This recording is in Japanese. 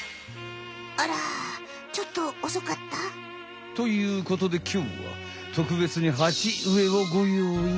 あらちょっとおそかった？ということできょうはとくべつにはちうえをごようい。